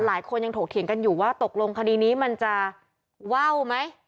หลายคนยังถกเถียงกันอยู่ว่าตกลงคดีนี้มันจะว่าวไหม